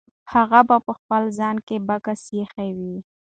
هغه به په خپل ځای کې بکس ایښی وي.